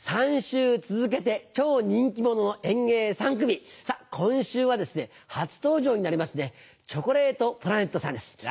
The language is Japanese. ３週続けて、超人気者演芸３組、さあ、今週はですね、初登場になりますね、チョコレートプラネットさんです。